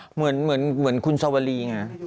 เหมือนคุณสวรีไง